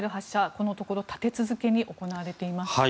このところ立て続けに行われています。